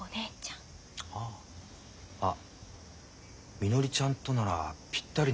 みのりちゃんとならぴったりのやついるよ。